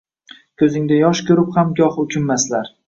Ko’zingda yosh ko’rib ham goh o’kinmaslar